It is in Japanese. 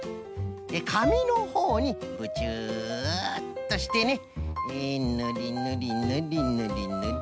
かみのほうにブチュっとしてねぬりぬりぬりぬりぬりぬりぬりと。